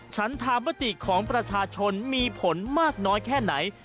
ฉันธามติของประชาชนมีผลมากน้อยแค่ไหน